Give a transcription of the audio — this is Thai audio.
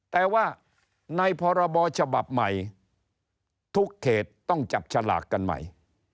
แต่ว่าในพรบฉบับใหม่ทุกเขตต้องจับฉลากกันใหม่